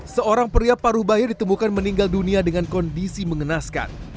seorang pria paruh bayi ditemukan meninggal dunia dengan kondisi mengenaskan